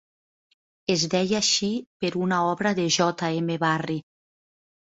Es deia així per una obra de J.M. Barrie.